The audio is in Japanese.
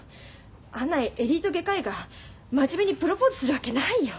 あんなエリート外科医が真面目にプロポーズするわけないよ。